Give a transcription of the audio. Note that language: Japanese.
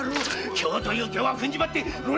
今日という今日はふんじばってやる！